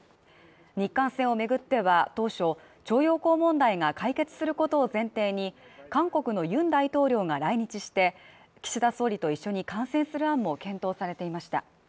日韓戦を巡っては当初、徴用工問題が解決することを前提に韓国のユン大統領が来日して岸田総理と一緒に観戦する案も検討されていました。